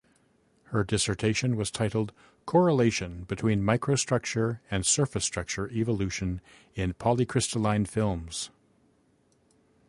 Her dissertation was titled "Correlation between microstructure and surface structure evolution in polycrystalline films".